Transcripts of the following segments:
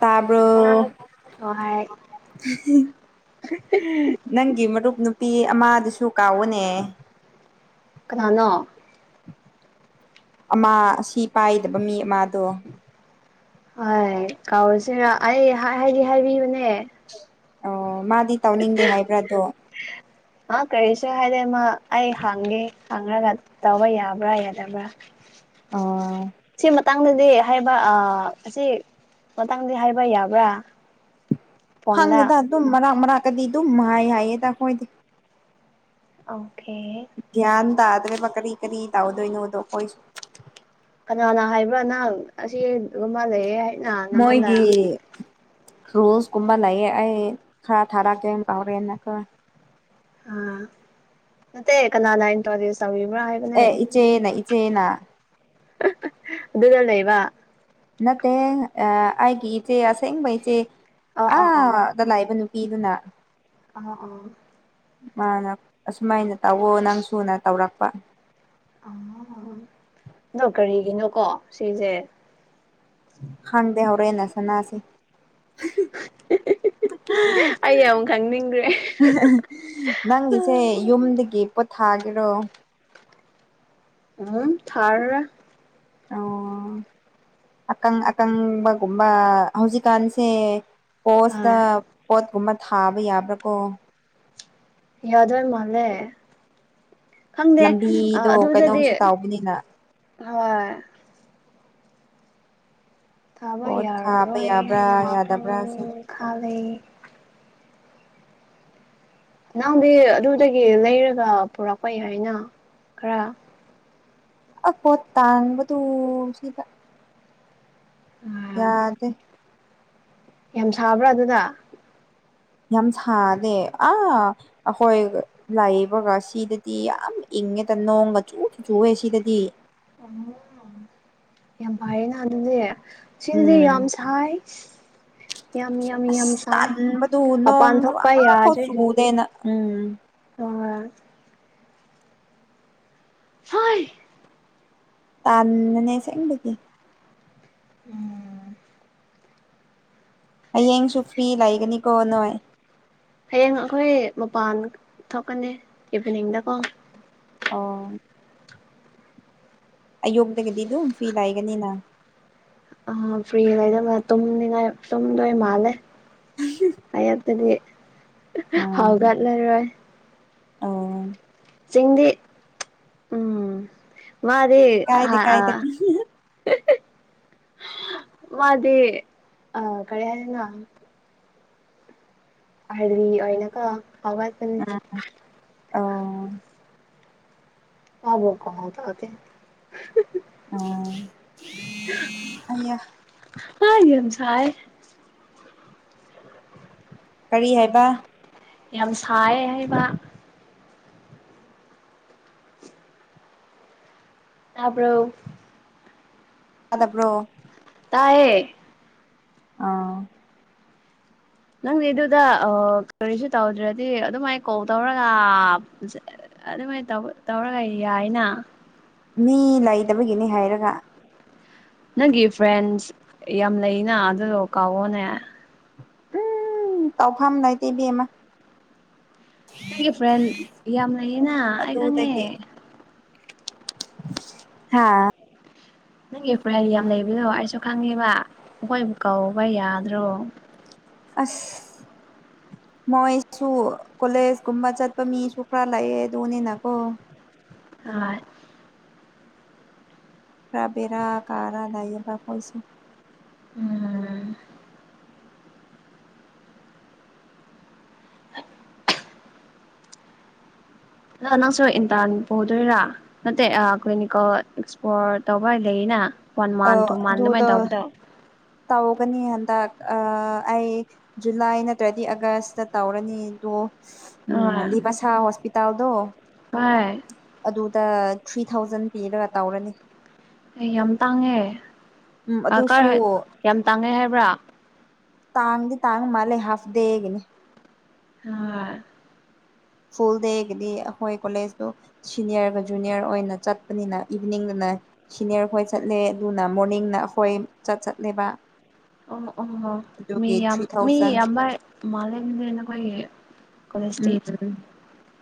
ꯇꯥꯕ꯭ꯔꯣ ꯍꯣꯏ ꯅꯪꯒꯤ ꯃꯔꯨꯞ ꯅꯨꯄꯤ ꯑꯃꯥꯗꯨꯁꯨ ꯀꯥꯎꯕꯅꯦ ꯀꯅꯅꯣ ꯑꯃꯥ ꯁꯤ ꯄꯥꯏꯗꯕ ꯃꯤ ꯑꯃꯗꯣ ꯍꯣꯏ ꯀꯥꯎꯔꯁꯤꯅ ꯑꯩ ꯍꯥꯏꯗꯤ ꯍꯥꯏꯕꯤꯕꯅꯦ ꯑꯣ ꯃꯥꯗꯤ ꯇꯧꯅꯤꯡꯗꯦ ꯍꯥꯏꯕ꯭ꯔꯥ ꯑꯗꯣ ꯑꯥ ꯀꯔꯤꯁꯨ ꯍꯥꯏꯗꯦ ꯃꯥ ꯑꯩ ꯍꯥꯡꯒꯦ ꯍꯪꯔꯒ ꯇꯧꯕ ꯌꯥꯕ꯭ꯔꯥ ꯌꯥꯗꯕ꯭ꯔꯥ ꯑꯣ ꯁꯦꯃ ꯃꯇꯥꯡꯗꯗꯤ ꯍꯥꯏꯕ ꯑꯥ ꯑꯁꯤ ꯃꯇꯥꯡꯗꯤ ꯍꯥꯏꯕ ꯌꯥꯕ꯭ꯔꯥ ꯐꯣꯟꯗ ꯇꯪꯗꯦꯗ ꯑꯗꯨꯝ ꯃꯔꯥꯛ ꯃꯔꯥꯛꯇꯗꯤ ꯑꯗꯨꯝ ꯃꯥꯏ ꯍꯥꯏꯌꯦꯗ ꯈꯣꯏꯗꯤ ꯑꯣꯀꯦ ꯇꯗ꯭ꯔꯦꯕ ꯀꯔꯤ ꯀꯔꯤ ꯇꯥꯎꯗꯣꯏꯅꯣꯗꯣ ꯀꯣꯏꯁꯨ ꯀꯅꯥꯅ ꯍꯥꯏꯕ꯭ꯔꯥ ꯅꯪ ꯑꯁꯤꯒꯨꯝꯕ ꯑꯃ ꯂꯩꯌꯦ ꯍꯥꯏꯅ ꯅꯪꯉꯣꯟꯗ ꯔꯨꯜꯁꯀꯨꯝꯕ ꯂꯩꯌꯦ ꯑꯩ ꯈꯔ ꯊꯥꯔꯛꯀꯦ ꯇꯧꯔꯤꯅꯦꯀꯣ ꯑꯥ ꯅꯠꯇꯦ ꯀꯅꯥꯅ ꯢꯟꯇ꯭ꯔꯣꯗꯤꯌꯨꯁ ꯇꯧ ꯑꯦ ꯏꯆꯦꯅ ꯏꯆꯦꯅꯥ ꯑꯗꯨꯗ ꯂꯩꯩꯕ ꯅꯠꯇꯦ ꯑꯥ ꯑꯩꯒꯤ ꯏꯆꯦ ꯑꯁꯦꯡꯕ ꯏꯆꯦ ꯑ ꯑ ꯑꯥꯗ ꯂꯩꯕ ꯅꯨ ꯄꯤꯗꯨꯅ ꯑꯥ ꯑꯥ ꯑꯣ ꯃꯥꯅ ꯑꯁꯨꯃꯥꯏꯅ ꯇꯧꯋꯣ ꯅꯪꯁꯨꯅ ꯇꯧꯔꯛꯄ [unintelligible] ꯑꯗꯣ ꯀꯔꯤꯒꯤꯅꯣꯀꯣ ꯁꯤꯖꯦ ꯈꯪꯗꯦ ꯍꯧꯔꯦꯟꯅ ꯁꯟꯅꯁꯦ [unintelligible] ꯑꯩ ꯌꯥꯝ ꯈꯪꯅꯤꯡꯈ꯭ꯔꯦ ꯅꯪꯒꯤꯁꯦ ꯌꯨꯝꯗꯒꯤ ꯄꯣꯊꯥꯒꯦꯔꯣ ꯍꯨꯝ ꯊꯥꯔꯔꯣꯢ ꯑꯣ ꯑꯀꯪ ꯑꯀꯪꯕꯒꯨꯝꯕ ꯍꯧꯖꯤꯛꯀꯥꯟꯁꯦ ꯄꯣꯁꯇ ꯑꯥ ꯄꯣꯠꯀꯨꯝꯕ ꯊꯥꯕ ꯌꯥꯕ꯭ꯔꯥ ꯀꯣ ꯌꯥꯗꯣꯏ ꯃꯥꯂꯦ ꯈꯪꯗꯦ ꯑꯥ ꯂꯝꯕꯤꯗꯣ ꯑꯗꯨꯗꯗꯤ ꯀꯩꯅꯣꯝꯁꯨ ꯇꯥꯎꯕꯅꯤꯅ ꯍꯣꯏ ꯊꯥꯕ ꯄꯣꯠ ꯊꯥꯕ ꯌꯥꯔꯔꯣꯏ ꯌꯥꯕ꯭ꯔꯥ ꯉꯥꯇꯪ ꯌꯥꯗꯕ꯭ꯔꯥꯁꯦ ꯈꯥꯂꯦ ꯅꯪꯗꯤ ꯑꯗꯨꯗꯒꯤ ꯂꯩꯔꯒ ꯄꯨꯔꯛꯄ ꯍꯥꯏꯅ ꯈꯔ ꯑꯁ ꯄꯣꯠ ꯇꯥꯡꯕꯗꯣ ꯁꯤꯗ ꯌꯥꯗꯦ ꯌꯥꯝ ꯁꯥꯕ꯭ꯔꯥ ꯑꯗꯨꯗ ꯌꯥꯝ ꯁꯥꯗꯦ ꯑꯥ ꯑꯩꯈꯣꯏ ꯂꯩꯕꯒ ꯁꯤꯗꯗꯤ ꯌꯥꯝ ꯏꯪ ꯏꯪꯉꯦꯗ ꯅꯣꯡ ꯆꯨꯗ ꯆꯨꯋꯦ ꯁꯤꯗꯗꯤ ꯎꯝ ꯌꯥꯝ ꯐꯌꯦꯅ ꯑꯗꯨꯗꯤ ꯁꯤꯗꯗꯤ ꯎꯝ ꯌꯥꯝ ꯁꯥꯏ ꯌꯥꯝ ꯌꯥꯝ ꯌꯥꯝ ꯑꯁ ꯁꯥꯏ ꯇꯟꯕꯗꯨ ꯃꯄꯥꯟ ꯅꯣꯡꯁꯨ ꯊꯣꯛꯄ ꯑꯃꯐꯥꯎ ꯌꯥꯗ꯭ꯔꯤ ꯆꯨꯗꯦꯅ ꯎꯝ ꯑꯥ ꯁꯋꯥꯢ ꯇꯥꯟꯕꯅꯦ ꯑꯁꯦꯡꯕꯒꯤ ꯎꯝ ꯍꯌꯦꯡꯁꯨ ꯐ꯭ꯔꯤ ꯂꯩꯒꯅꯤꯀꯣ ꯅꯣꯏ ꯍꯌꯦꯡ ꯑꯩꯈꯣꯏ ꯃꯄꯥꯟ ꯊꯣꯛꯀꯅꯤ ꯏꯚꯤꯅꯤꯡꯗꯀꯣ ꯑꯣ ꯑꯌꯣꯛꯛꯇꯒꯗꯤ ꯑꯗꯨꯝ ꯐꯤ ꯂꯥꯛꯒꯅꯤꯅ ꯑ ꯐ꯭ꯔꯤ ꯂꯩꯕꯗ ꯇꯨꯝꯅꯤꯡꯉꯥꯏ ꯇꯨꯝꯗꯣꯏ ꯃꯥꯜꯂꯦ ꯑꯌꯨꯛꯇꯗꯤ ꯎꯝ ꯍꯥꯎꯒꯠꯂꯔꯣꯏ ꯑꯣ ꯆꯤꯡꯗꯤ ꯎꯝ ꯃꯥꯗꯤ ꯀꯥꯏꯗꯦ ꯍꯥ ꯑ ꯀꯥꯏꯗꯦ ꯃꯥꯗꯤ ꯑ ꯀꯔꯤ ꯍꯥꯢꯁꯤꯔ ꯑꯥꯔꯂꯤ ꯑꯣꯢꯅ ꯀꯣ ꯍꯧꯒꯠꯄꯅꯦ ꯎꯝ ꯑꯣ ꯃꯥꯕꯨ ꯀꯃꯥꯢ ꯇꯧꯔꯒꯦ ꯑꯣ [inaudible] ꯍꯩꯌꯥ ꯑ ꯌꯥꯝ ꯁꯥꯏꯌꯦ ꯀꯔꯤ ꯍꯥꯏꯕ ꯌꯥꯝ ꯁꯥꯏꯌꯦ ꯍꯥꯏꯕ ꯇꯕ꯭ꯔꯣ ꯇꯥꯗꯕ꯭ꯔꯣ ꯇꯥꯢꯌꯦ ꯑꯥ ꯅꯪꯗꯤ ꯑꯗꯨꯗ ꯑ ꯀꯔꯤꯁꯨ ꯇꯧꯗ꯭ꯔꯗꯤ ꯑꯗꯨꯃꯥꯏꯅ ꯀꯣꯜ ꯇꯧꯔꯒ ꯑꯗꯨꯃꯥꯏꯅ ꯇꯧ ꯇꯧꯔꯒ ꯌꯥꯏꯅ ꯃꯤ ꯂꯩꯇꯕꯒꯤꯅꯦ ꯍꯥꯏꯔꯒ ꯅꯪꯒꯤ ꯐ꯭ꯔꯦꯟꯁ ꯌꯥꯝ ꯂꯩꯅ ꯑꯗꯨꯗꯣ ꯀꯥꯎꯑꯣꯅꯦ ꯎꯝ ꯇꯥꯎꯐꯝ ꯂꯩꯇꯦ ꯏꯕꯦꯝꯃ ꯅꯪꯒꯤ ꯐ꯭ꯔꯦꯟ ꯌꯥꯝ ꯂꯩꯌꯦꯅ ꯑꯩ ꯈꯪꯉꯦ ꯍꯥꯥ ꯅꯪꯒꯤ ꯐꯔꯦꯟ ꯌꯥꯝ ꯂꯩꯕꯗꯣ ꯑꯩꯁꯨ ꯈꯪꯉꯦꯕ ꯃꯈꯣꯏꯕꯨ ꯀꯧꯕ ꯌꯥꯗ꯭ꯔꯣ ꯑꯁ ꯃꯣꯏꯁꯨ ꯀꯣꯂꯦꯖꯀꯨꯝꯕ ꯆꯠꯄ ꯃꯤꯁꯨ ꯈꯔ ꯂꯩꯌꯦ ꯑꯗꯨꯅꯤꯅꯀꯣ ꯑꯥꯟ ꯈꯔ ꯕꯦꯔ ꯀꯥꯔꯥ ꯂꯥꯏꯌꯦꯕ ꯃꯣꯏꯁꯤ ꯎꯝ [inaudible] ꯅ ꯅꯪꯁꯨ ꯏꯟꯇꯥꯟ ꯄꯨꯗꯣꯏꯔꯥ ꯅꯠꯇꯦ ꯑꯩꯈꯣꯏꯅꯤꯀꯣ ꯑꯦꯛꯁꯄ꯭ꯂꯣꯔ ꯇꯧꯕ ꯂꯩꯌꯦꯅ ꯑ ꯑꯗꯨꯗꯣ ꯇꯧꯒꯅꯤ ꯍꯟꯗꯛ ꯑ ꯑꯩ ꯖꯨꯂꯥꯏ ꯅꯠꯇ꯭ꯔꯗꯤ ꯑꯥꯒꯁꯇ ꯇꯧꯔꯅꯤꯗꯣ ꯎꯝ ꯍꯣꯏ ꯂꯤꯕꯁ ꯍꯣꯁꯄꯤꯇꯥꯜꯗꯣ ꯍꯣꯏ ꯑ ꯊ꯭ꯔꯤ ꯊꯥꯎꯖꯟ ꯄꯤꯔꯒ ꯇꯧꯔꯅꯤ ꯑꯩ ꯌꯥꯝ ꯇꯥꯡꯉꯦ ꯎꯝ ꯑꯗꯨꯁꯨ ꯑꯀꯔ ꯌꯥꯝ ꯇꯥꯡꯉꯦ ꯍꯥꯏꯕ꯭ꯔꯥ ꯇꯥꯡꯗꯤ ꯇꯥꯡꯕ ꯃꯥꯜꯂꯦ ꯍꯥꯐꯗꯦꯒꯤꯅꯤ ꯁꯥꯔ ꯐꯨꯜ ꯗꯦꯒꯗꯤ ꯑꯩꯈꯣꯏ ꯀꯣꯂꯦꯖꯇꯣ ꯁꯤꯅꯤꯌꯔꯒ ꯖꯨꯅꯤꯌꯔ ꯑꯣꯏꯅ ꯆꯠꯄꯅꯤꯅ ꯏꯚꯅꯤꯡꯗꯅ ꯅ ꯁꯤꯅꯤꯌꯔ ꯈꯣꯏ ꯆꯠꯂꯦ ꯑꯗꯨꯅ ꯃꯣꯔꯅꯤꯡꯅ ꯑꯩꯈꯣꯏ ꯆꯠ ꯆꯠꯂꯦꯕ ꯑꯣ ꯑꯣ ꯑꯣ ꯃꯤ ꯑꯗꯨꯒꯤ ꯌꯥꯝ ꯊ꯭ꯔꯤ ꯃꯤ ꯊꯥꯎꯖꯟ ꯌꯥꯝꯕꯔ ꯃꯥꯂꯦꯅꯦ ꯅꯈꯣꯏꯒꯤ ꯀꯣꯂꯦꯖꯇꯤ ꯎꯝ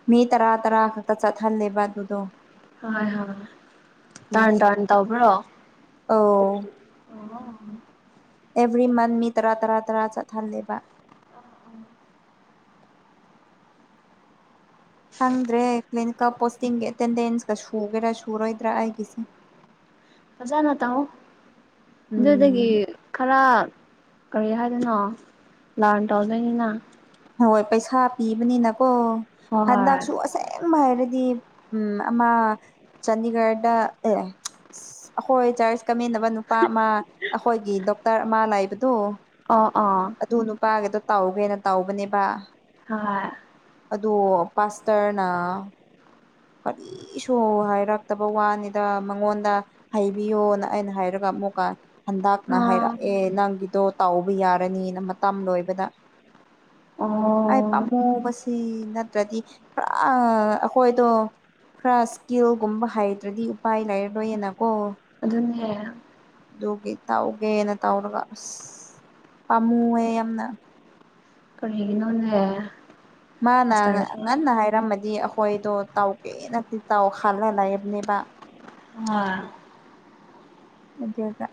ꯃꯤ ꯇꯔꯥ ꯇꯔꯥ ꯈꯛꯇ ꯆꯠꯍꯜꯂꯦꯕ ꯑꯗꯨꯗꯣ ꯍꯣꯏ ꯍꯣꯏ ꯇꯥꯟ ꯇꯥꯟ ꯇꯧꯕ꯭ꯔꯣ ꯑꯧ ꯑꯩꯒꯤ ꯑꯍꯥ ꯑꯦꯕ꯭ꯔꯤ ꯃꯟ ꯃꯤ ꯇꯔꯥ ꯇꯔꯥ ꯇꯔꯥ ꯆꯠꯍꯜꯂꯦꯕ ꯎꯝ ꯈꯪꯗ꯭ꯔꯦ ꯂꯤꯟꯀꯝꯄꯣꯁ ꯇꯤꯡꯒꯤ ꯑꯦꯇꯦꯟꯗꯦꯟꯁꯀ ꯁꯨꯒꯦꯔꯥ ꯁꯨꯔꯣꯏꯗ꯭ꯔꯥ ꯑꯩꯒꯤꯁꯦ ꯐꯖꯅ ꯇꯥꯣ ꯎꯝ ꯑꯗꯨꯗꯒꯤ ꯈꯔ ꯀꯔꯤ ꯍꯥꯏꯗꯣꯏꯅꯣ ꯂꯥꯟ ꯇꯧꯗꯣꯏꯅꯤꯅ ꯍꯣꯏ ꯄꯩꯁꯥ ꯄꯤꯕꯅꯤꯅꯀꯣ ꯍꯣꯏ ꯍꯟꯗꯛꯁꯨ ꯑꯁꯦꯡꯕ ꯍꯥꯏꯔꯗꯤ ꯗꯤ ꯎꯝ ꯑꯃ ꯆꯥꯟꯗꯤꯒꯔꯗ ꯑꯦ ꯑꯩꯈꯣꯏ ꯆꯥ꯭ꯔꯁ ꯀꯃꯤꯟꯅꯕ ꯅꯨꯄꯥ ꯑꯃ ꯑꯩꯈꯣꯏꯒꯤ ꯗꯣꯛꯇꯔ ꯑꯃ ꯂꯥꯏꯕꯗꯨ ꯑꯣ ꯑꯣ ꯑꯗꯨ ꯅꯨꯄꯥꯒꯤꯗꯣ ꯇꯥꯎꯕꯅꯦꯅ ꯇꯧꯕꯅꯦꯕ ꯍꯥ ꯑꯗꯣ ꯄꯥꯁꯇꯔꯅ ꯀꯔꯤꯁꯨ ꯍꯥꯏꯔꯛꯇꯕ ꯋꯥꯅꯤꯗ ꯃꯉꯣꯟꯗ ꯍꯥꯏꯕꯤꯌꯣꯅ ꯑꯩꯅ ꯍꯥꯏꯔꯒ ꯑꯃꯨꯀꯥ ꯍꯟꯗꯛꯅ ꯑꯣ ꯍꯥꯏꯔꯛꯑꯦ ꯅꯪꯒꯤꯗꯣ ꯇꯥꯎꯕ ꯌꯥꯔꯅꯤꯅ ꯃꯇꯝ ꯂꯣꯏꯕꯗ ꯑꯩ ꯄꯥꯝꯃꯨꯕꯁꯤ ꯅꯠꯇ꯭ꯔꯗꯤ ꯄꯨꯔꯥ ꯑꯩꯈꯣꯏꯗꯣ ꯈꯔꯥ ꯁ꯭ꯀꯤꯜꯒꯨꯝꯕ ꯍꯩꯇ꯭ꯔꯗꯤ ꯎꯄꯥꯏ ꯂꯩꯥꯏꯔꯔꯣꯏꯌꯦꯅꯀꯣ ꯑꯗꯨꯟꯅ ꯑꯗꯨꯒꯤ ꯇꯧꯒꯦꯅ ꯇꯧꯔꯒ ꯑꯁ ꯄꯥꯝꯃꯨꯑꯦ ꯌꯥꯝꯅ ꯀꯔꯤꯒꯤꯅꯣꯅꯦ ꯃꯥꯅ ꯄꯥꯁꯇꯔꯁꯦ ꯍꯣꯏ ꯉꯟꯅ ꯍꯥꯏꯔꯝꯃꯗꯤ ꯑ ꯍꯣꯏꯗꯣ ꯇꯧꯒꯦ ꯅꯗꯤ ꯇꯥꯎ ꯈꯜꯂ ꯂꯩꯕꯅꯦꯕ ꯉꯥ ꯑꯗꯨꯗ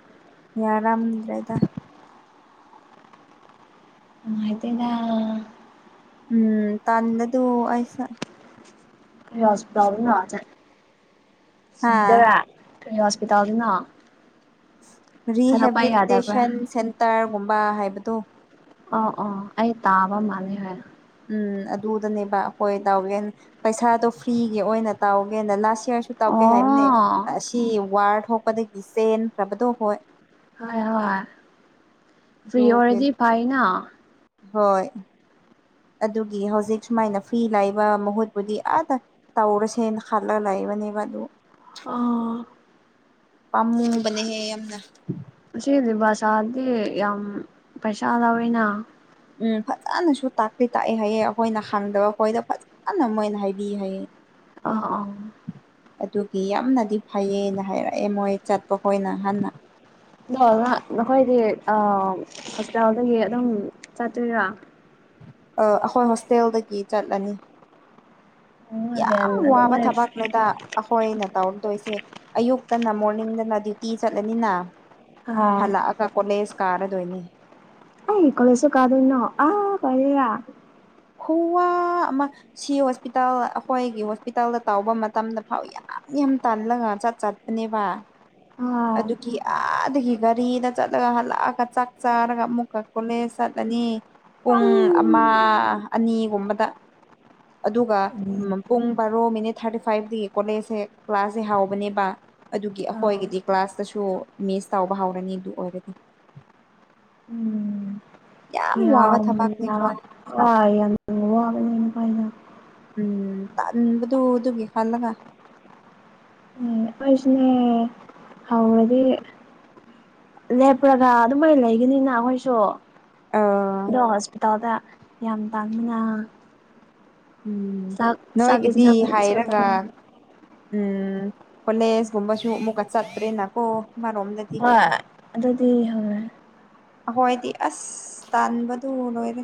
ꯌꯥꯔꯝꯗ꯭ꯔꯦꯗ ꯅꯨꯉꯥꯏꯇꯦꯗ ꯎꯝ ꯇꯜꯕꯗꯨꯣ ꯑꯩꯁ ꯀꯔꯤ ꯍꯣꯁꯄꯤꯇꯥꯜꯗ ꯅꯥꯗꯦ ꯍꯥ ꯁꯤꯗꯣꯔꯥ ꯀꯔꯤ ꯍꯣꯁꯄꯤꯇꯥꯜꯗꯅꯣ ꯍꯥꯏꯗꯣꯛꯄ ꯌꯥꯗꯕ꯭ꯔꯥ ꯔꯤꯍꯦꯕꯤꯂꯤꯇꯦꯁꯟ ꯁꯦꯟꯇꯔꯒꯨꯝꯕ ꯍꯥꯏꯕꯗꯨ ꯑꯣ ꯑꯣ ꯑꯩ ꯇꯥꯕ ꯃꯥꯥꯟꯂꯦ ꯍꯣꯏꯕ ꯎꯝ ꯑꯗꯨꯗꯅꯦꯕ ꯍꯣꯏ ꯇꯧꯒꯦꯅ ꯄꯩꯁꯥꯗꯣ ꯐ꯭ꯔꯤꯒꯤ ꯑꯣꯏꯅ ꯇꯧꯒꯦꯅ ꯂꯥꯁ ꯀꯌꯥꯔꯁꯨ ꯇꯧꯗꯦ ꯍꯥꯏꯕꯅꯦ ꯑꯣ ꯑꯁꯤ ꯋꯥꯔ ꯊꯣꯛꯄꯗꯒꯤ ꯆꯦꯟꯈ꯭ꯔꯕꯗꯣ ꯍꯣꯏ ꯍꯣꯢ ꯍꯣꯢ ꯐ꯭ꯔꯤ ꯑꯗꯨꯒꯤ ꯑꯣꯢꯔꯗꯤ ꯐꯩꯌꯦꯅ ꯍꯣꯏ ꯑꯗꯨꯒꯤ ꯍꯧꯖꯤꯛ ꯁꯨꯃꯥꯏꯅ ꯐ꯭ꯔꯤ ꯂꯩꯕ ꯃꯍꯨꯠꯄꯨꯗꯤ ꯑꯥꯗ ꯇꯧꯔꯁꯦꯅ ꯈꯜꯂꯒ ꯂꯩꯕ ꯃꯅꯦꯕ ꯑꯗꯨ ꯑ ꯄꯥꯝꯃꯨꯕꯅꯦꯍꯦ ꯌꯥꯝꯅ ꯅꯍꯥꯟꯁꯦ ꯌꯥꯝ ꯄꯩꯁꯥ ꯂꯧꯋꯦꯅ ꯎꯝ ꯐꯖꯅꯁꯨ ꯇꯥꯛꯇꯤ ꯇꯥꯛꯑꯦ ꯍꯥꯏꯌꯦ ꯑꯩꯈꯣꯏꯅ ꯈꯪꯗꯕ ꯑꯩꯈꯣꯏꯗ ꯐꯖꯅ ꯃꯣꯏꯅ ꯍꯥꯏꯕꯤ ꯍꯥꯏꯌꯦ ꯑꯣ ꯑꯣ ꯑꯗꯨꯒꯤ ꯌꯥꯝꯅꯗꯤ ꯐꯩꯌꯦꯅ ꯍꯥꯏꯔꯛꯑꯦ ꯃꯣꯏ ꯆꯠꯄ ꯈꯣꯏꯅ ꯍꯥꯟꯅ ꯑꯗꯣ ꯉꯥ ꯅꯈꯣꯏꯗꯤ ꯑ ꯍꯣꯁꯄꯤꯇꯥꯜꯗꯒꯤ ꯑꯗꯨꯝ ꯆꯠꯇꯣꯏꯔꯥ ꯑ ꯑꯩꯈꯣꯏ ꯍꯣꯁꯇꯦꯜꯗꯒꯤ ꯆꯠꯂꯅꯤ ꯔꯦꯟ ꯌꯥꯝ ꯋꯥꯕ ꯑꯗꯨꯃꯥꯏ ꯊꯕꯛꯅꯦꯗ ꯑꯩꯈꯣꯏꯅ ꯇꯧꯗꯣꯏꯁꯦ ꯑꯌꯨꯛꯇꯅ ꯃꯣꯔꯅꯤꯡꯗꯅ ꯗ꯭ꯌꯨꯇꯤ ꯆꯠꯂꯅꯤꯅ ꯑꯥ ꯍꯜꯂꯛꯑꯒ ꯀꯣꯂꯦꯖ ꯀꯥꯔꯗꯣꯏꯅꯦ ꯑꯩꯏ ꯀꯣꯂꯦꯖꯁꯨ ꯀꯥꯗꯣꯢꯅꯣ ꯑ ꯀꯔꯤꯔ ꯈꯨꯋꯥ ꯑꯃ ꯁꯤ ꯍꯣꯁꯄꯤꯇꯥꯜ ꯑꯩꯈꯣꯏꯒꯤ ꯍꯣꯁꯄꯤꯇꯥꯜꯗ ꯇꯧꯕ ꯃꯇꯝꯗ ꯐꯥꯎ ꯌꯥꯝ ꯌꯥꯝ ꯇꯥꯜꯂꯒ ꯆꯥꯠ ꯆꯥꯠꯄꯅꯦꯕ ꯑꯥ ꯑꯗꯨꯒꯤ ꯑ ꯑꯗꯨꯒꯤ ꯒꯥꯔꯤꯗ ꯆꯠꯂꯒ ꯍꯜꯂꯛꯑꯒ ꯆꯥꯛ ꯆꯥꯔꯒ ꯑꯃꯨꯛꯀ ꯀꯣꯂꯦꯖ ꯆꯠꯂꯅꯤ ꯄꯨꯡ ꯑꯃ ꯑꯅꯤꯒꯨꯝꯕꯗ ꯑꯗꯨꯒ ꯎꯝ ꯄꯨꯡ ꯕꯥꯔꯣ ꯃꯤꯅꯤꯠ ꯊꯥꯔꯇꯤ ꯐꯥꯏꯚꯇꯒꯤ ꯀꯣꯂꯦꯖꯁꯦ ꯀ꯭ꯂꯥꯁꯁꯦ ꯍꯧꯕꯅꯦꯕ ꯑꯗꯨꯒꯤ ꯑꯩꯈꯣꯏꯒꯤꯗꯤ ꯀ꯭ꯂꯥꯁꯇꯁꯨ ꯃꯤꯁ ꯇꯧꯕ ꯍꯧꯔꯅꯤ ꯑꯗꯨ ꯑꯣꯏꯔꯗꯤ ꯋꯥꯕ ꯌꯥꯝ ꯊꯕꯛꯅꯤ ꯌꯥꯝ ꯑꯩꯈꯣꯏ ꯋꯥꯢ ꯌꯥꯝ ꯋꯥꯒꯅꯤ ꯍꯥꯢꯅ ꯎꯝ ꯇꯜꯕꯗꯨ ꯑꯗꯨꯒꯤ ꯈꯜꯂꯒ ꯑꯈꯣꯏꯁꯨꯅꯦ ꯍꯧꯔꯗꯤ ꯂꯦꯞꯔꯒ ꯑꯗꯨꯃꯥꯏꯅ ꯂꯩꯒꯅꯤꯅ ꯑꯩꯈꯣꯏꯁꯨ ꯑ ꯑꯗꯣ ꯍꯣꯁꯄꯤꯇꯥꯜꯗ ꯌꯥꯝ ꯇꯥꯡꯃꯤꯅ ꯎꯝ ꯅꯣꯏꯒꯤꯗꯤ ꯌꯦꯟꯁꯥꯡꯁꯨ ꯍꯥꯏꯔꯒ ꯇꯥꯡꯕꯅ ꯎꯝ ꯀꯣꯂꯦꯁ ꯒꯨꯝꯕꯁꯨꯨ ꯑꯃꯨꯀ ꯆꯠꯄꯅꯤꯅꯥꯀꯣ ꯍꯣꯏ ꯑꯗꯨꯗꯤ ꯍꯣꯏ ꯑꯩꯈꯣꯏꯗꯤ ꯑꯁ ꯇꯥꯟꯕꯗꯨ ꯂꯣꯏꯔꯦ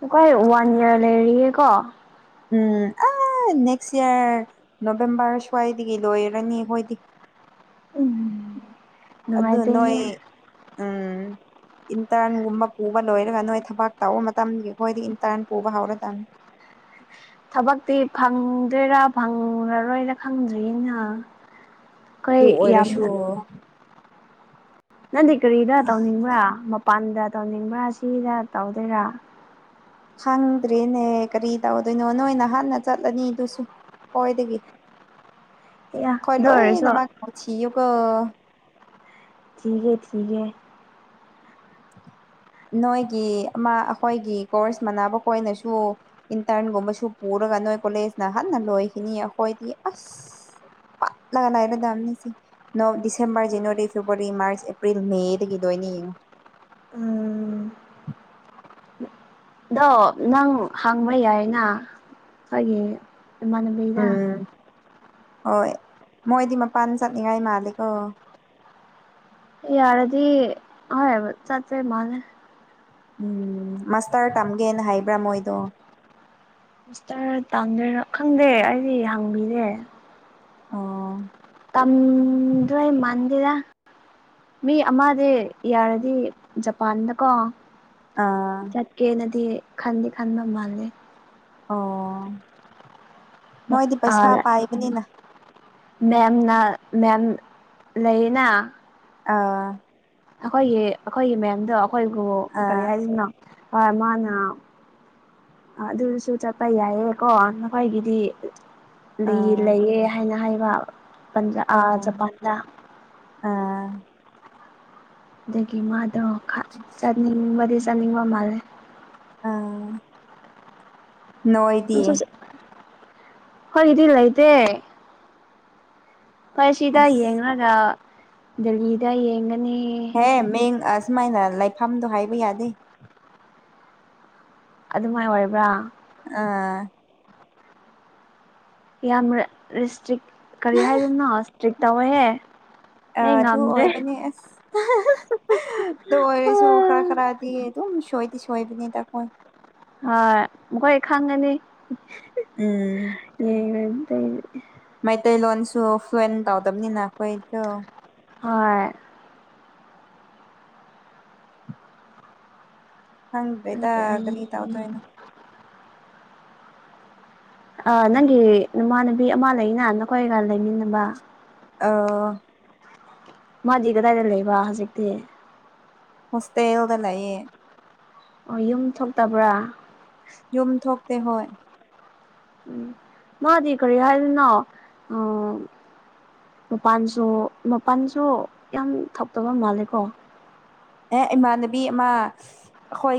ꯃꯈꯣꯏ ꯋꯥꯟ ꯏꯌꯥꯔ ꯂꯩꯔꯤꯌꯦ ꯀꯣ ꯎꯝ ꯑꯥ ꯑ ꯅꯦꯛꯁ ꯏꯌꯥꯔ ꯅꯣꯕꯦꯝꯕꯔ ꯁ꯭ꯋꯥꯏꯗꯒꯤ ꯂꯣꯏꯔꯅꯤ ꯍꯣꯏꯗꯤ ꯎꯝ ꯑꯗꯨ ꯅꯣꯏ ꯅꯨꯡꯉꯥꯏꯇꯦꯍꯦ ꯎꯝ ꯏꯟꯇꯔꯟꯒꯨꯝꯕ ꯄꯨꯕ ꯂꯣꯏꯔꯒ ꯅꯣꯏ ꯊꯕꯛ ꯇꯧꯕ ꯃꯇꯝꯒꯤ ꯑꯩꯈꯣꯏꯗꯤ ꯏꯟꯇꯔꯟ ꯄꯨꯕ ꯍꯧꯔꯗꯕꯅꯤ [inaudible] ꯊꯕꯛꯇꯤ ꯐꯪꯗꯣꯏꯔꯥ ꯐꯪꯉꯔꯣꯏꯔ ꯈꯪꯗ꯭ꯔꯤꯅ ꯑꯩꯈꯣꯏ ꯑꯗꯨ ꯑꯣꯏꯔꯁꯨ ꯌꯥꯝꯅ ꯅꯪꯗꯤ ꯀꯔꯤꯗ ꯇꯧꯅꯤꯡꯕ꯭ꯔꯥ ꯃꯄꯥꯟꯗ ꯇꯧꯅꯤꯡꯕ꯭ꯔꯥ ꯁꯤꯗ ꯇꯧꯗꯣꯏꯔꯥ ꯍꯥꯡꯗ꯭ꯔꯦꯅꯦ ꯀꯔꯤ ꯇꯧꯗꯣꯏꯅꯣ ꯅꯣꯏꯅ ꯍꯥꯟꯅ ꯆꯠꯂꯅꯤ ꯑꯗꯨꯁꯨ ꯈꯣꯏꯗꯒꯤ ꯌꯥ ꯑꯈꯣꯏ ꯑꯗꯨ ꯑꯣꯏꯔꯁꯨ ꯂꯣꯏꯅꯃꯛ ꯄꯨꯟꯁꯤꯌꯣꯀꯣ ꯊꯤꯒꯦ ꯊꯤꯒꯦ [inaudible] ꯅꯣꯏꯒꯤ ꯑꯃ ꯑꯩꯈꯣꯏꯒꯤ ꯀꯣꯔꯁ ꯃꯅꯕ ꯈꯣꯏꯅꯁꯨ ꯏꯟꯇꯔꯟꯒꯨꯝꯕꯁꯨ ꯄꯨꯔ ꯒꯥ ꯅꯣꯏ ꯀꯣꯂꯦꯖꯅ ꯍꯥꯟꯅ ꯂꯣꯏꯈꯤꯅꯤ ꯑꯈꯣꯏꯗꯤ ꯑꯁ ꯄꯠꯂ ꯂꯩꯒꯗꯝꯅꯤ ꯂꯧ December January February March April ꯃꯦꯗꯒꯤ ꯂꯣꯏꯅ ꯌꯦꯡꯉꯨ ꯎꯝ ꯑꯗꯣ ꯅꯪ ꯍꯪꯕ ꯌꯥꯏꯅ ꯑꯩꯈꯣꯏꯒꯤ ꯅꯃꯥꯟꯅꯕꯤꯗ ꯎꯝ ꯍꯣꯏ ꯃꯣꯏꯗꯤ ꯃꯄꯥꯟ ꯆꯠꯅꯤꯡꯉꯥꯏ ꯃꯥꯜꯂꯦꯀꯣ ꯌꯥꯔꯗꯤ ꯍꯣꯢ ꯆꯠꯄꯩ ꯃꯥꯜꯂꯦ ꯎꯝ ꯃꯥꯁꯇꯔ ꯇꯝꯒꯦꯅ ꯍꯥꯏꯕ꯭ꯔꯥ ꯃꯣꯏꯗꯣ ꯃꯁꯇꯔ ꯇꯝꯒꯦꯔ ꯈꯪꯗꯦ ꯑꯩꯗꯤ ꯍꯪꯕꯤꯗꯦ ꯑꯣ ꯇꯝꯗꯣꯢ ꯃꯥꯟꯗꯦꯗ ꯃꯤ ꯑꯃꯗ ꯌꯥꯔꯗꯤ ꯖꯄꯥꯟꯗꯀꯣ ꯑꯥ ꯆꯠꯀꯦꯅꯗꯤ ꯈꯟꯗꯤ ꯈꯟꯕ ꯃꯥꯜꯂꯦ ꯑꯣ ꯅꯣꯏꯗꯤ ꯄꯩꯁꯥ ꯄꯥꯏꯕꯅꯤꯅ ꯃꯦꯝꯅ ꯃꯦꯝ ꯂꯩꯌꯦꯅ ꯑꯥ ꯑꯩꯈꯣꯏꯒꯤ ꯑꯩꯈꯣꯏꯒꯤ ꯃꯦꯝꯗꯣ ꯑꯩꯈꯣꯏꯕꯨ ꯀꯔꯤ ꯑꯥ ꯍꯥꯏꯁꯤꯅꯣ ꯃꯥꯅ ꯑꯗꯨꯁꯨ ꯁꯨꯝ ꯆꯠꯄ ꯌꯥꯏꯌꯦ ꯀꯣ ꯅꯈꯣꯏꯒꯤꯗꯤ ꯂꯩ ꯑꯥ ꯂꯩꯌꯦ ꯍꯥꯏꯅ ꯍꯥꯏꯕ ꯄꯟꯥꯖ ꯑ ꯑꯣ ꯖꯄꯥꯟꯗ ꯑꯥ ꯑꯗꯨꯒꯤ ꯃꯥꯗꯣ ꯆꯠꯅꯤꯡꯕꯗꯤ ꯆꯠꯅꯤꯡꯕ ꯃꯥꯜꯂꯦ ꯑꯥ ꯅꯣꯏꯗꯤ ꯑꯈꯣꯏꯒꯤꯗꯤ ꯂꯩꯇꯦ ꯍꯣꯢ ꯁꯤꯗ ꯑꯁ ꯌꯦꯡꯔꯒ ꯗꯦꯍꯤꯗ ꯌꯦꯡꯒꯦ ꯍꯦ ꯃꯤꯡ ꯑꯁꯨꯃꯥꯏꯅ ꯂꯩꯐꯝꯗꯣ ꯍꯥꯏꯕ ꯌꯥꯗꯦ ꯑꯗꯨꯃꯥꯏꯅ ꯑꯣꯏꯔꯕ꯭ꯔꯥ ꯑꯥ ꯌꯥꯝꯅ ꯔꯤꯁꯇ꯭ꯔꯤꯛ ꯀꯔꯤ ꯍꯥꯏꯗꯣꯅꯣ ꯏꯁꯇ꯭ꯔꯤꯛ ꯇꯧꯋꯦꯍꯦ ꯑ ꯑꯩ ꯑꯗꯨ ꯉꯝꯗ꯭ꯔꯦ ꯑꯣꯏꯕꯅꯦ ꯑꯁ ꯑꯗꯨ ꯑꯣꯏꯔꯁꯨ ꯈꯔ ꯍꯣꯏ ꯈꯔꯗꯤ ꯑꯗꯨꯝ ꯁꯣꯏꯗꯤ ꯁꯣꯏꯕꯅꯤ ꯑꯈꯣꯏ ꯍꯣꯏ ꯃꯈꯣꯏ ꯈꯪꯒꯅꯤ ꯎꯝ ꯑꯝ ꯃꯩꯇꯩ ꯂꯣꯟꯁꯨ ꯐ꯭ꯂꯨꯌꯦꯟ ꯇꯧꯗꯕꯅꯤꯅ ꯑꯩꯈꯣꯏꯗꯣ ꯍꯣꯢ ꯈꯪꯗꯦꯗ ꯈꯪꯗꯔꯤ ꯀꯔꯤ ꯇꯧꯗꯣꯢꯅꯣ ꯑ ꯅꯪꯒꯤ ꯅꯃꯥꯟꯅꯕꯤ ꯑꯃ ꯂꯩꯅ ꯅꯈꯣꯏꯒ ꯂꯩꯃꯤꯟꯅꯕ ꯑ ꯃꯥꯗꯤ ꯀꯗꯥꯏꯗ ꯂꯩꯕ ꯍꯨꯖꯤꯛꯇꯤ ꯍꯣꯁꯇꯦꯟꯗ ꯂꯩꯌꯦ ꯑꯣ ꯌꯨꯝ ꯊꯣꯛꯇꯕ꯭ꯔꯥ ꯌꯨꯝ ꯊꯣꯛꯇꯦ ꯍꯣꯏ ꯎꯝ ꯃꯥꯗꯤ ꯀꯔꯤ ꯍꯥꯏꯗꯣꯢꯅꯣ ꯑ ꯃꯄꯜꯁꯨ ꯃꯄꯜꯁꯨ ꯌꯥꯝ ꯊꯣꯛꯇꯕ ꯃꯥꯜꯂꯦꯀꯣ ꯑꯦ ꯏꯃꯥꯟꯅꯕꯤ ꯑꯃ ꯑꯈꯣꯏ